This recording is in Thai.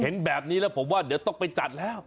เห็นแบบนี้แล้วผมว่าเดี๋ยวต้องไปจัดแล้ว